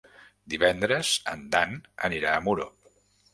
Divendres en Dan anirà a Muro.